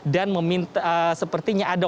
dan sepertinya ada